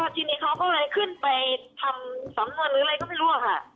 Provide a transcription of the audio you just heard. ทีนี้เขาก็เลยขึ้นไปทำสำนวนหรืออะไรก็ไม่รู้อะค่ะ